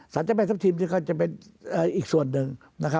เจ้าแม่ทัพทิมนี่ก็จะเป็นอีกส่วนหนึ่ง